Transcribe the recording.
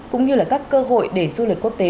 cũng như là các cơ hội để du lịch quốc tế